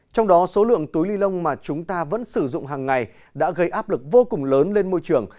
trong đó số lượng túi ly lông mà chúng ta vẫn sử dụng hàng ngày đã gây áp lực vô cùng lớn lên môi trường